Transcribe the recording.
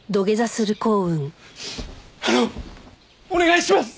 あのお願いします！